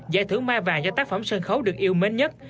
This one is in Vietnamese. giải thưởng mai vàng do tác phẩm sân khấu được yêu mến nhất